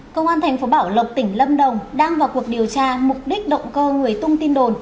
công an thành phố bảo lộc tỉnh lâm đồng đang vào cuộc điều tra mục đích động cơ người tung tin đồn